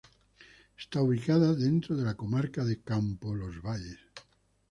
Está ubicada dentro de la comarca de Campoo-Los Valles.